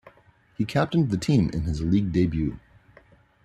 He captained the team in his league debut.